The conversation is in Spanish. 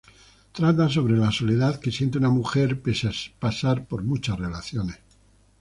Trata sobre la soledad que siente una mujer pese a pasar por muchas relaciones.